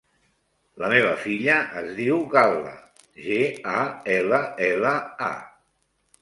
La meva filla es diu Gal·la: ge, a, ela, ela, a.